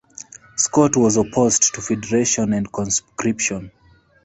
Scott was opposed to federation and conscription.